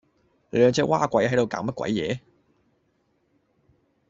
你兩隻嘩鬼係度搞乜鬼野